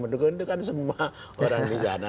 mendukung itu kan semua orang misalnya